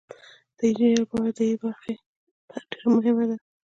د انجینر لپاره د ای برخه ډیره مهمه ده.